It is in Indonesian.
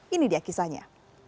ini dia kisahnya